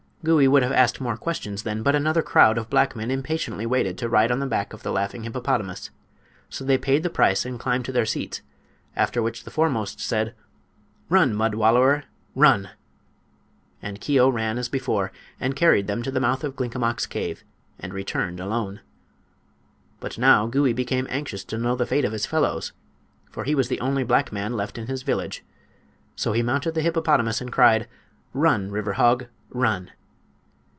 Gouie would have asked more questions then, but another crowd of black men impatiently waited to ride on the back of the laughing hippopotamus. So they paid the price and climbed to their seats, after which the foremost said: "Run, mud wallower—run!" And Keo ran as before and carried them to the mouth of Glinkomok's cave, and returned alone. But now Gouie became anxious to know the fate of his fellows, for he was the only black man left in his village. So he mounted the hippopotamus and cried: "Run, river hog—run!"